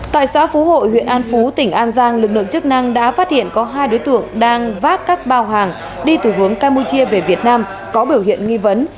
tại xã phú hội huyện an phú tỉnh an giang lực lượng chức năng đã phát hiện có hai đối tượng đang vác các bao hàng đi từ hướng campuchia về việt nam có biểu hiện nghi vấn